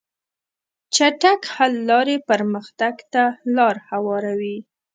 چټک حل لارې پرمختګ ته لار هواروي.